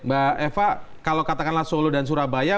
mbak eva kalau katakanlah solo dan surabaya